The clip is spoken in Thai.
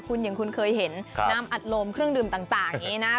คุณอย่างคุณเคยเห็นน้ำอัดลมเครื่องดื่มต่างอย่างนี้นะ